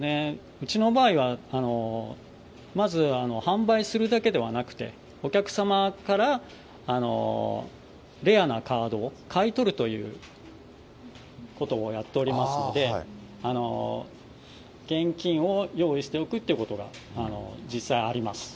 うちの場合は、まず販売するだけではなくて、お客様からレアなカードを買い取るということをやっておりますので、現金を用意しておくっていうことが実際あります。